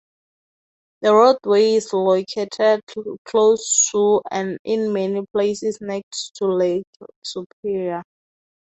The roadway is located close to and in many places next to Lake Superior.